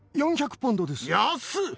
安っ！